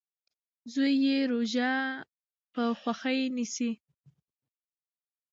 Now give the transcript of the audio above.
زوی یې روژه په خوښۍ نیسي.